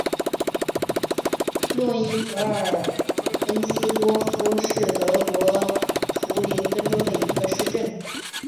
诺伊格尔恩斯多夫是德国图林根州的一个市镇。